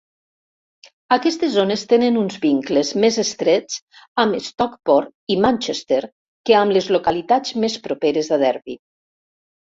Aquestes zones tenen uns vincles més estrets amb Stockport i Manchester que amb les localitats més properes a Derby.